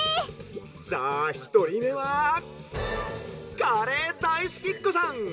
「さあひとりめはカレー大好きっこさん。